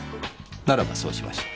ならばそうしましょう。